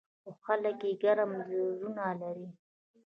خو خلک یې ګرم زړونه لري.